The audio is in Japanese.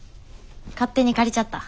勝手に借りちゃった。